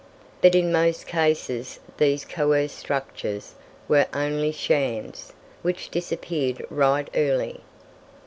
But in most cases these coerced structures were only shams, which disappeared right early.